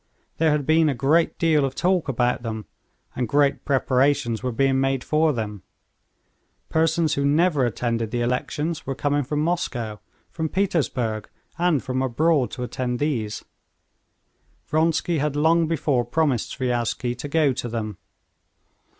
There had been a great deal of talk about them, and great preparations were being made for them. Persons who never attended the elections were coming from Moscow, from Petersburg, and from abroad to attend these. Vronsky had long before promised Sviazhsky to go to them.